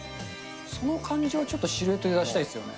その感じをちょっとシルエットで出したいですよね。